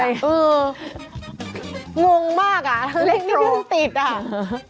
เอองงมากอ่ะเล็กโรคไม่ติดอ่ะฮะฮึฮึฮึฮึฮึฮึฮึฮึ